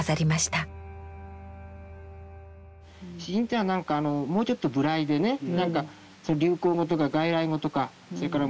詩人というのは何かあのもうちょっと無頼でね何か流行語とか外来語とかそれから